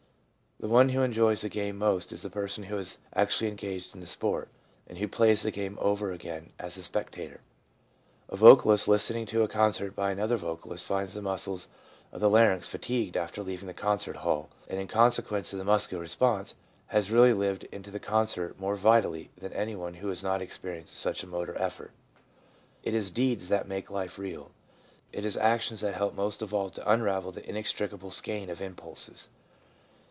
The one who enjoys a game most is the person who has actually engaged in the sport, and who plays the game over again as a spectator. A vocalist listening to a concert by another vocalist finds the muscles of the larynx fatigued after leaving the concert hall, and, in conse quence of the muscular response, has really lived into the concert more vitally than one who has not experi enced such a motor effort. It is deeds that make life real. It is actions that help most of all to unravel the inextricable skein of impulses.